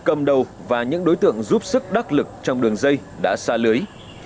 cầm đầu và những đối tượng giúp sức đắc lực trong đường dây đã xa lưới